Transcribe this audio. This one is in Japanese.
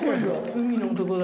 海の男だ。